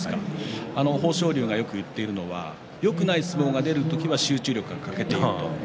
豊昇龍がよく言っているのはよくない相撲が出る時は集中力が欠けている。